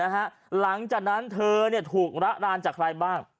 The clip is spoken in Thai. หลังจากนั้นเธอถูกระรานจากใครบ้าง